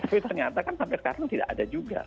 tapi ternyata kan sampai sekarang tidak ada juga